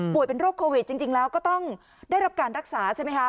เป็นโรคโควิดจริงแล้วก็ต้องได้รับการรักษาใช่ไหมคะ